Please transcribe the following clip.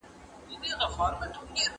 ¬ تور مار مه وژنه، تور جت مړ که!